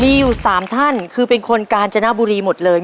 มีอยู่๓ท่านคือเป็นคนกาญจนบุรีหมดเลย